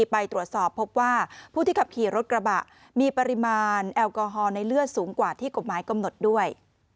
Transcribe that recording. ไปตรวจสอบพบว่าผู้ที่ขับขี่รถกระบะมีปริมาณแอลกอฮอลในเลือดสูงกว่าที่กฎหมายกำหนดด้วย